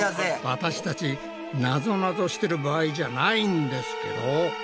私たちナゾナゾしてる場合じゃないんですけど。